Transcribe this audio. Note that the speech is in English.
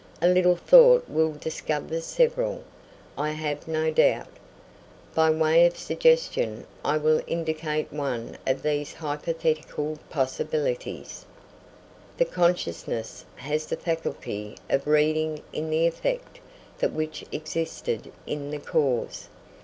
A little thought will discover several, I have no doubt. By way of suggestion, I will indicate one of these hypothetical possibilities: "The consciousness has the faculty of reading in the effect that which existed in the cause."